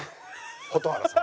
蛍原さん。